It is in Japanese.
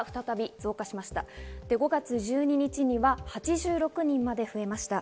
そして５月１２日には８６人まで増えました。